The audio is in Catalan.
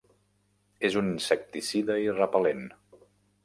És un insecticida i repel·lent.